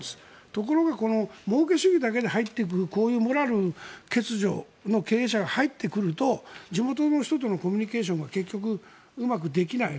ところがもうけ主義だけに入っていくこういうモラルが欠如した経営者が入ってくると地元の人とのコミュニケーションが結局、うまくできない。